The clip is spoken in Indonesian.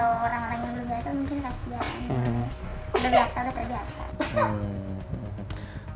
udah biasa udah terbiasa